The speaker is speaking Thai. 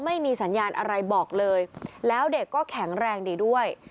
ไม่มีสัญญาณอะไรบอกเลยแล้วเด็กก็แข็งแรงดีด้วย